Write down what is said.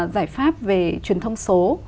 giải pháp về truyền thông số